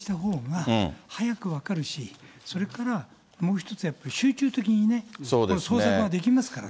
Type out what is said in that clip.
でもやっぱり、公表したほうが早く分かるし、それから、もう一つやっぱり集中的にね、捜索ができますからね。